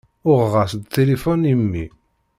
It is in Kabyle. Uɣeɣ-as-d tilifun i mmi.